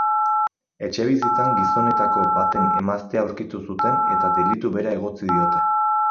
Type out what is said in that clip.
Etxebizitzan gizonetako baten emaztea aurkitu zuten eta delitu bera egotzi diote.